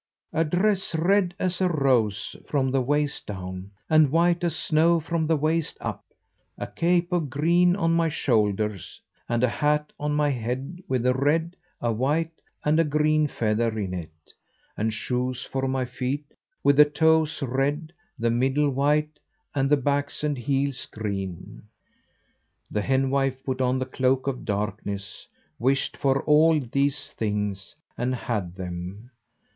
"A dress red as a rose from the waist down, and white as snow from the waist up; a cape of green on my shoulders; and a hat on my head with a red, a white, and a green feather in it; and shoes for my feet with the toes red, the middle white, and the backs and heels green." The henwife put on the cloak of darkness, wished for all these things, and had them.